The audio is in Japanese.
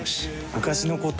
昔のこと。